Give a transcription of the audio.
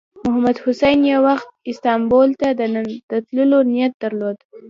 محمود الحسن یو وخت استانبول ته د تللو نیت درلود.